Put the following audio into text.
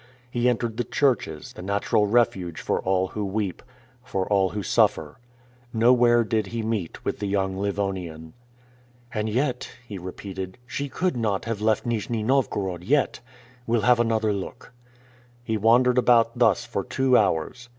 He entered the churches, the natural refuge for all who weep, for all who suffer. Nowhere did he meet with the young Livonian. "And yet," he repeated, "she could not have left Nijni Novgorod yet. We'll have another look." He wandered about thus for two hours.